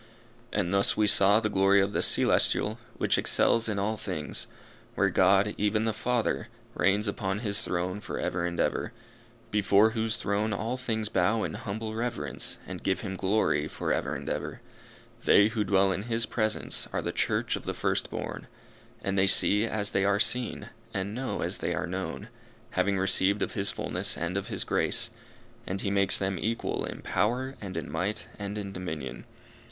And thus we saw the glory of the celestial which excels in all things where God, even the Father, reigns upon His throne for ever and ever; before whose throne all things bow in humble reverence and give Him glory for ever and ever. They who dwell in His presence are the Church of the first born, and they see as they are seen, and know as they are known, having received of His fulness and of His grace; and He makes them equal in power, and in might, and in dominion.